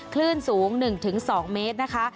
คลื่นสูง๑๒เมตรนะคะ